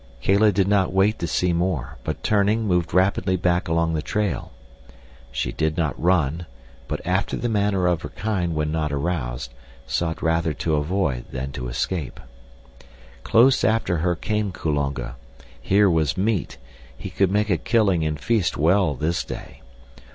Kala did not wait to see more, but, turning, moved rapidly back along the trail. She did not run; but, after the manner of her kind when not aroused, sought rather to avoid than to escape. Close after her came Kulonga. Here was meat. He could make a killing and feast well this day.